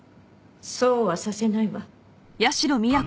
そうはさせないわ。